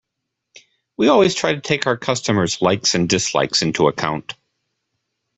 We always try to take our customers’ likes and dislikes into account.